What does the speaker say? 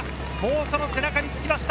その背中に着きました。